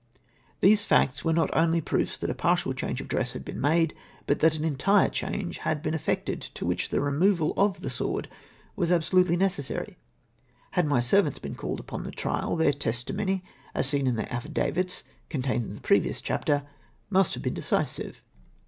These facts were not only proofs that a partial change of dress had been made, but that an entire change had been effected, to which the removal of the sword was absolutely necessary. Had my servants been called upon the trial, their testimony, as seen in their affidavits contained in the previous chapter, must have been decisive.